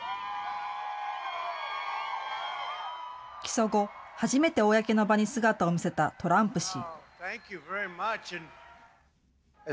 起訴後、初めて公の場に姿を見せたトランプ氏。